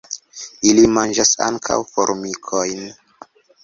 Ili manĝas ankaŭ formikojn.